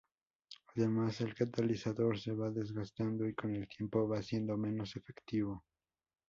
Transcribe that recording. Además, el catalizador se va desgastando y con el tiempo va siendo menos efectivo.